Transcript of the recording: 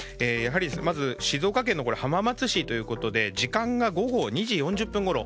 まず、静岡県の浜松市ということで時間が午後２時４０分ごろ。